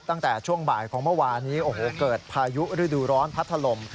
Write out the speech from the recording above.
ตั้งแต่ช่วงบ่ายของเมื่อวานนี้โอ้โหเกิดพายุฤดูร้อนพัดถล่ม